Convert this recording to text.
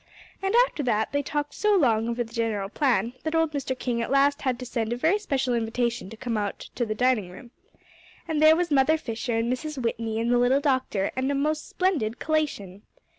And after that they talked so long over the general plan, that old Mr. King at last had to send a very special invitation to come out to the dining room. And there was Mother Fisher and Mrs. Whitney and the little doctor and a most splendid collation!